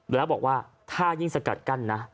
แล้วบอกว่าถ้ายิ่งสกัดกั้นนะ